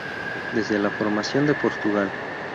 Desde la formación de Portugal.